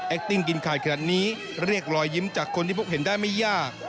ติ้งกินขาดขนาดนี้เรียกรอยยิ้มจากคนที่พบเห็นได้ไม่ยาก